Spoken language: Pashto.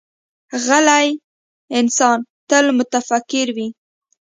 غلی انسان، تل متفکر وي.